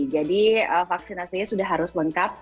jadi vaksinasi sudah harus lengkap